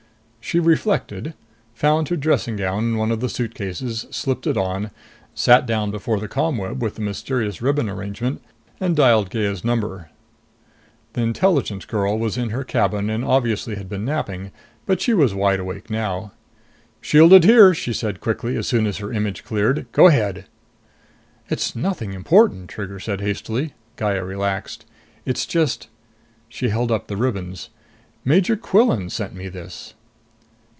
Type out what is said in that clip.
She reflected, found her dressing gown in one of the suitcases, slipped it on, sat down before the ComWeb with the mysterious ribbon arrangement, and dialed Gaya's number. The Intelligence girl was in her cabin and obviously had been napping. But she was wide awake now. "Shielded here!" she said quickly as soon as her image cleared. "Go ahead!" "It's nothing important," Trigger said hastily. Gaya relaxed. "It's just " she held up the ribbons. "Major Quillan sent me this."